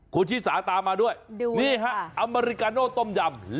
คุณชิสาตามาด้วยนี่ฮะอเมริกาโน่ต้มยำดูเลยค่ะ